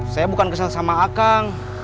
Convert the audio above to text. saya bukan kesan sama akang